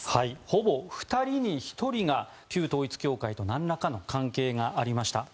ほぼ２人に１人が旧統一教会となんらかの関係がありました。